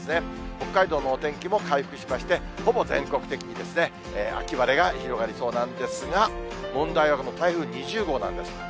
北海道のお天気も回復しまして、ほぼ全国的に秋晴れが広がりそうなんですが、問題はこの台風２０号なんです。